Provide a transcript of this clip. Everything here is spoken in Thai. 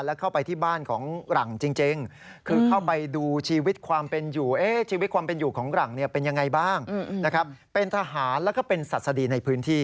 และเข้าไปที่บ้านของหลังจริง